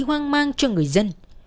đi hoang mang cho người dân